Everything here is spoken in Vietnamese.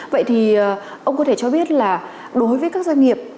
vậy thì ông có thể cho biết là đối với các doanh nghiệp